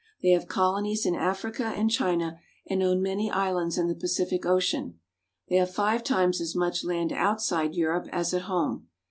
They have colonies in Africa and China, and own many islands in the Pacific Ocean. They have five times as much land outside Europe as at home.